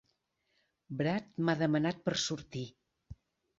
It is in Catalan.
Brad m'ha demanat per sortir.